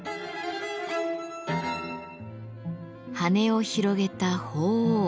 羽を広げた鳳凰。